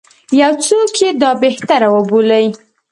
یو څوک یې دا بهتر وبولي.